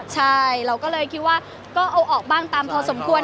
ใช่เราก็เลยคิดว่าก็เอาออกบ้างตามพอสมควร